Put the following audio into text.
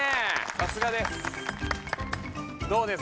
さすがです。